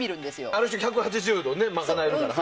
ある種１８０度まかなえるからね。